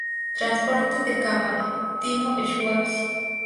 Transporte de cámara: Timo Schwarz.